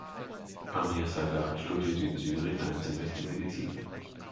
Amir Zaidan studierte in Syrien ein Semester Medizin.